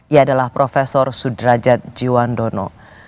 ia adalah prof sudrajat jiwandono